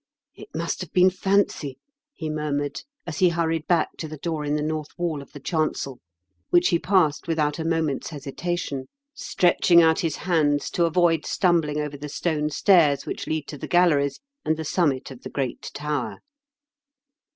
" It must have been fancy," he murmured, as he hurried back to the door in the north wall of the chancel, which he passed without a moment's hesitation, stretching out his hands A LEGEND OF QUNBJJLFWS TOWEB. 101 to avoid stumbling over the stone stairs which lead to the galleries and the summit of the great tower.